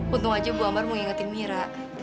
untung aja bu ambar mengingetin mira